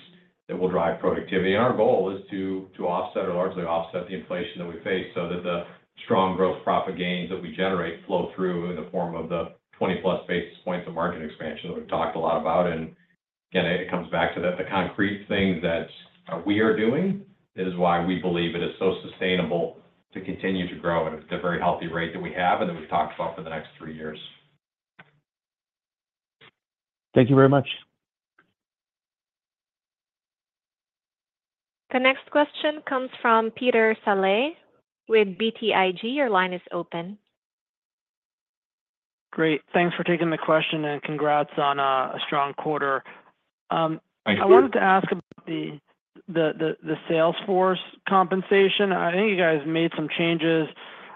that will drive productivity. And our goal is to offset or largely offset the inflation that we face so that the strong gross profit gains that we generate flow through in the form of the 20+ basis points of margin expansion that we've talked a lot about. And again, it comes back to the concrete things that we are doing. It is why we believe it is so sustainable to continue to grow at a very healthy rate that we have and that we've talked about for the next three years. Thank you very much. The next question comes from Peter Saleh with BTIG. Your line is open. Great. Thanks for taking the question and congrats on a strong quarter. I wanted to ask about the salesforce compensation. I think you guys made some changes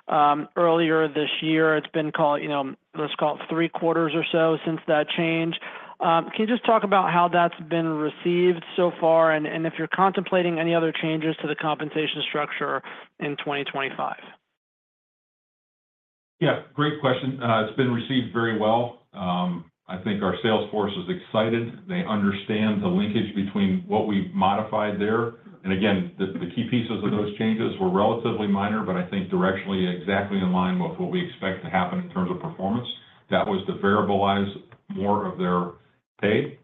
earlier this year. It's been called, let's call it three quarters or so since that change. Can you just talk about how that's been received so far and if you're contemplating any other changes to the compensation structure in 2025? Yeah. Great question. It's been received very well. I think our salesforce is excited. They understand the linkage between what we've modified there. And again, the key pieces of those changes were relatively minor, but I think directionally exactly in line with what we expect to happen in terms of performance. That was to variabilize more of their pay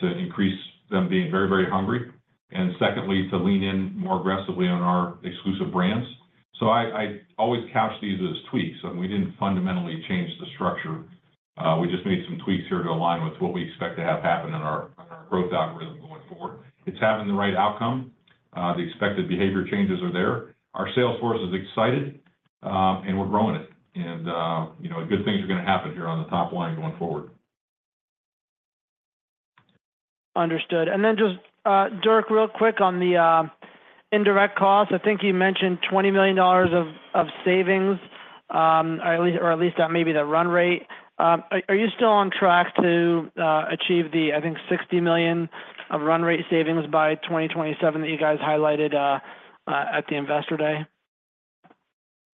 to increase them being very, very hungry. And secondly, to lean in more aggressively on our Exclusive Brands. So I always couch these as tweaks. We didn't fundamentally change the structure. We just made some tweaks here to align with what we expect to have happen in our growth algorithm going forward. It's having the right outcome. The expected behavior changes are there. Our salesforce is excited, and we're growing it. And good things are going to happen here on the top line going forward. Understood. And then just, Dirk, real quick on the indirect costs. I think you mentioned $20 million of savings, or at least that may be the run rate. Are you still on track to achieve the, I think, $60 million of run rate savings by 2027 that you guys highlighted at the Investor Day?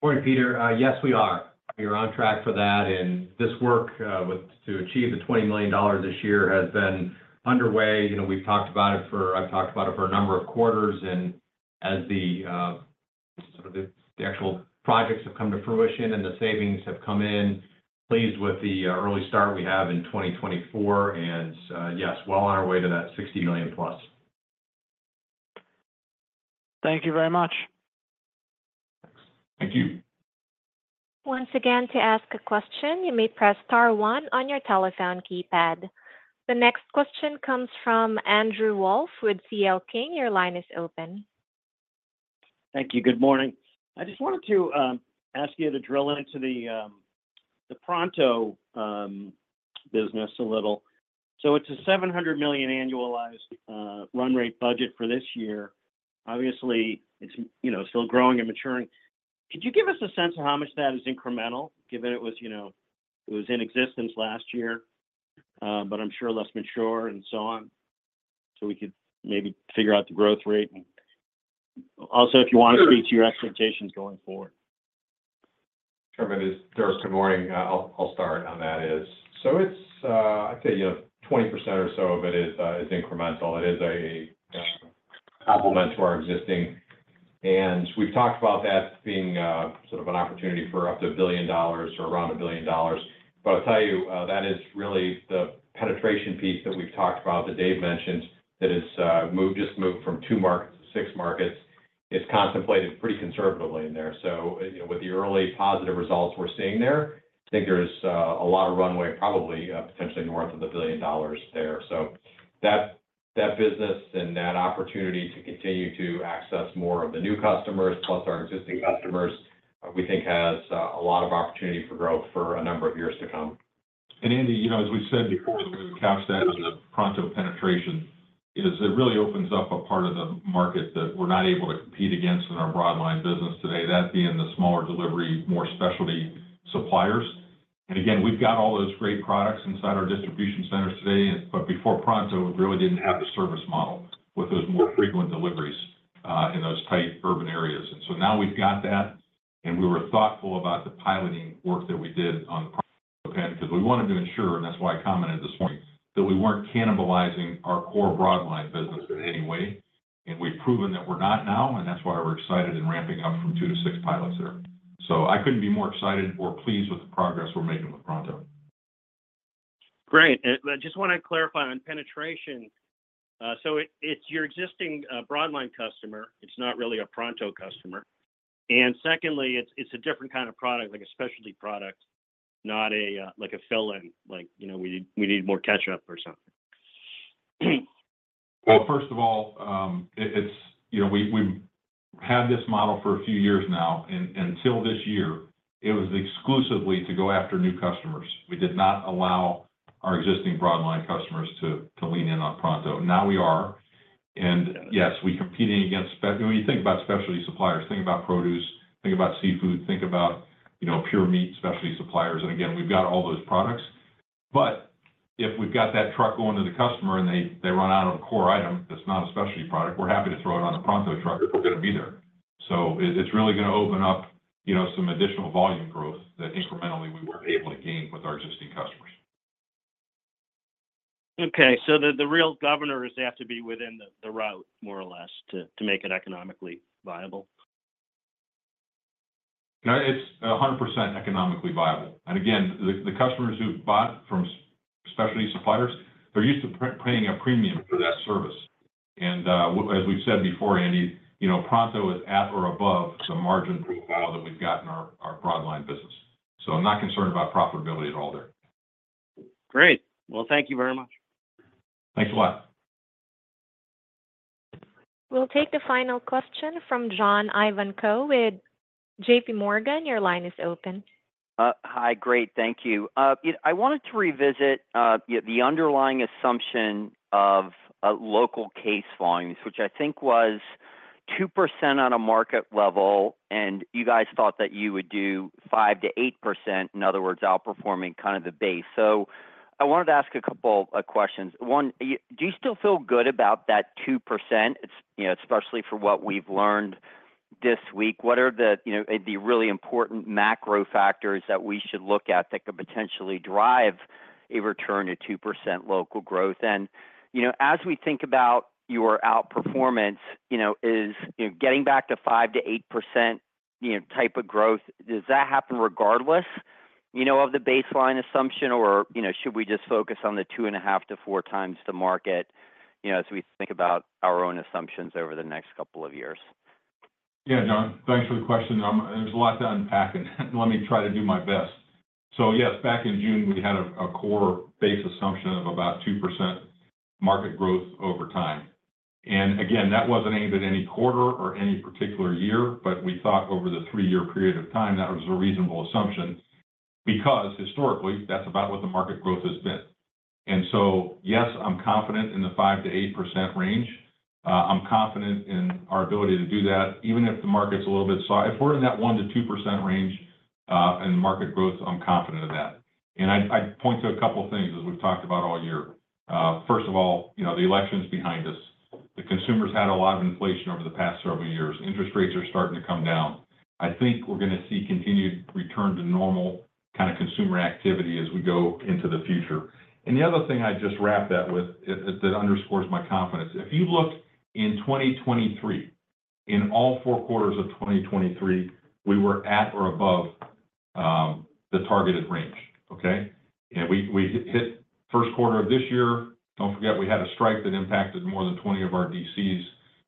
Morning, Peter. Yes, we are. We are on track for that. And this work to achieve the $20 million this year has been underway. We've talked about it for a number of quarters, and as the actual projects have come to fruition and the savings have come in, pleased with the early start we have in 2024, and yes, well on our way to that $60 million+. Thank you very much. Thank you. Once again, to ask a question, you may press star one on your telephone keypad. The next question comes from Andrew Wolf with C.L. King. Your line is open. Thank you. Good morning. I just wanted to ask you to drill into the Pronto business a little, so it's a $700 million annualized run rate budget for this year. Obviously, it's still growing and maturing. Could you give us a sense of how much that is incremental, given it was in existence last year, but I'm sure less mature and so on? So we could maybe figure out the growth rate. And also, if you want to speak to your expectations going forward. Sure. It's Dirk, good morning. I'll start on that. So I'd say 20% or so of it is incremental. It is a complement to our existing. And we've talked about that being sort of an opportunity for up to $1 billion or around $1 billion. But I'll tell you, that is really the penetration piece that we've talked about that Dave mentioned that has just moved from two markets to six markets. It's contemplated pretty conservatively in there. So with the early positive results we're seeing there, I think there's a lot of runway, probably potentially north of $1 billion there. So that business and that opportunity to continue to access more of the new customers plus our existing customers, we think has a lot of opportunity for growth for a number of years to come. And Andy, as we said before, we would couch that on the Pronto penetration. It really opens up a part of the market that we're not able to compete against in our broadline business today, that being the smaller delivery, more specialty suppliers. And again, we've got all those great products inside our distribution centers today. But before Pronto, we really didn't have the service model with those more frequent deliveries in those tight urban areas. And so now we've got that. And we were thoughtful about the piloting work that we did on the Pronto plan because we wanted to ensure, and that's why I commented this morning, that we weren't cannibalizing our core broadline business in any way. And we've proven that we're not now. And that's why we're excited and ramping up from two to six pilots there. So I couldn't be more excited or pleased with the progress we're making with Pronto. Great. And I just want to clarify on penetration. So it's your existing broadline customer. It's not really a Pronto customer. And secondly, it's a different kind of product, like a specialty product, not a fill-in, like we need more ketchup or something. Well, first of all, we've had this model for a few years now. Until this year, it was exclusively to go after new customers. We did not allow our existing broadline customers to lean in on Pronto. Now we are. And yes, we're competing against, when you think about specialty suppliers, think about produce, think about seafood, think about pure-play meat specialty suppliers. And again, we've got all those products. But if we've got that truck going to the customer and they run out of a core item that's not a specialty product, we're happy to throw it on the Pronto truck if we're going to be there. So it's really going to open up some additional volume growth that incrementally we weren't able to gain with our existing customers. Okay. So the real governor has to be within the route, more or less, to make it economically viable. It's 100% economically viable. And again, the customers who've bought from specialty suppliers, they're used to paying a premium for that service. As we've said before, Andy, Pronto is at or above the margin profile that we've got in our broadline business. So I'm not concerned about profitability at all there. Great. Well, thank you very much. Thanks a lot. We'll take the final question from John Ivanko with J.P. Morgan. Your line is open. Hi. Great. Thank you. I wanted to revisit the underlying assumption of local case volumes, which I think was 2% on a market level. You guys thought that you would do 5% to 8%, in other words, outperforming kind of the base. I wanted to ask a couple of questions. One, do you still feel good about that 2%, especially for what we've learned this week? What are the really important macro factors that we should look at that could potentially drive a return to 2% local growth? As we think about your outperformance, is getting back to 5% to 8% type of growth, does that happen regardless of the baseline assumption, or should we just focus on the two and a half to 4x the market as we think about our own assumptions over the next couple of years? Yeah, John, thanks for the question. There's a lot to unpack, and let me try to do my best. So yes, back in June, we had a core base assumption of about 2% market growth over time. And again, that wasn't aimed at any quarter or any particular year, but we thought over the three-year period of time, that was a reasonable assumption because historically, that's about what the market growth has been. And so yes, I'm confident in the 5% to 8% range. I'm confident in our ability to do that, even if the market's a little bit soft. If we're in that 1% to 2% range in market growth, I'm confident of that. And I point to a couple of things as we've talked about all year. First of all, the election's behind us. The consumers had a lot of inflation over the past several years. Interest rates are starting to come down. I think we're going to see continued return to normal kind of consumer activity as we go into the future. And the other thing I just wrap that with that underscores my confidence. If you look in 2023, in all four quarters of 2023, we were at or above the targeted range, okay? And we hit Q1 of this year. Don't forget, we had a strike that impacted more than 20 of our DCs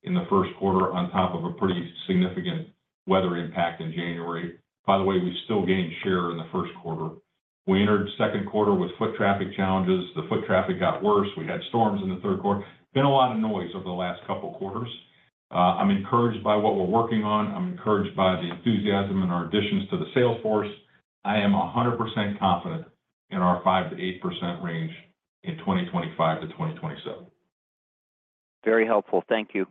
in the Q1 on top of a pretty significant weather impact in January. By the way, we still gained share in the Q1. We entered Q2 with foot traffic challenges. The foot traffic got worse. We had storms in the Q3. Been a lot of noise over the last couple of quarters. I'm encouraged by what we're working on. I'm encouraged by the enthusiasm in our additions to the salesforce. I am 100% confident in our 5% to 8% range in 2025 to 2027. Very helpful. Thank you.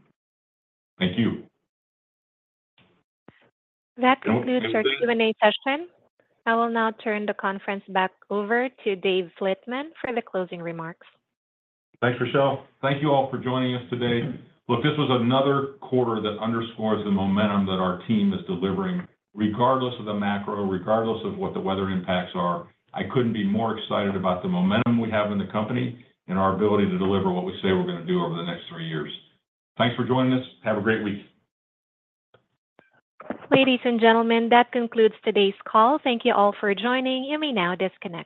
Thank you. That concludes our Q&A session. I will now turn the conference back over to Dave Flitman for the closing remarks. Thanks, Rochelle. Thank you all for joining us today. Look, this was another quarter that underscores the momentum that our team is delivering. Regardless of the macro, regardless of what the weather impacts are, I couldn't be more excited about the momentum we have in the company and our ability to deliver what we say we're going to do over the next three years. Thanks for joining us. Have a great week. Ladies and gentlemen, that concludes today's call. Thank you all for joining. You may now disconnect.